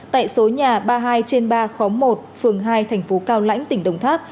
tại số nhà ba mươi hai trên ba khóm một phường hai thành phố cao lãnh tỉnh đồng tháp